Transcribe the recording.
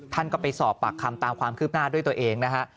ท่านก็ไปสอบปากคำตามความคืบหน้าด้วยตัวเองนะฮะ